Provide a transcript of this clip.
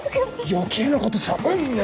余計なことしゃべんな！